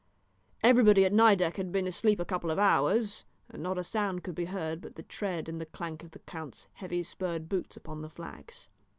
Everybody at Nideck had been asleep a couple of hours, and not a sound could be heard but the tread and the clank of the count's heavy spurred boots upon the flags.